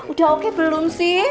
udah oke belum sih